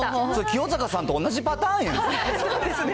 清坂さんと同じパターンやん。